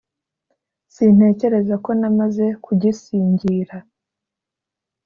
Sintekereza ko namaze kugisingira.